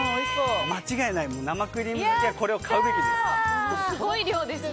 間違いない、生クリーム好きはこれを買うべきです。